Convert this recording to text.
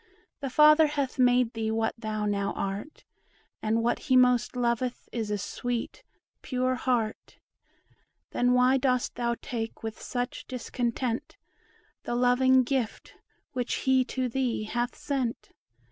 The Father hath made thee what thou now art; And what he most loveth is a sweet, pure heart. Then why dost thou take with such discontent The loving gift which he to thee hath sent?